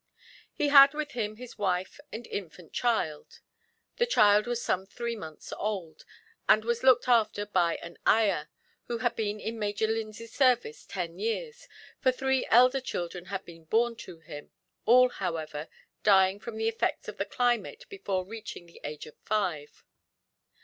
He had with him his wife and infant child. The child was some three months old, and was looked after by an ayah, who had been in Major Lindsay's service ten years; for three elder children had been born to him all, however, dying from the effects of the climate before reaching the age of five.